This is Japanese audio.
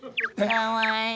かわいい。